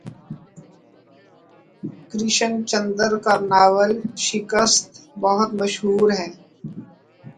کرشن چندر کا ناول شکست بہت مشہور ہے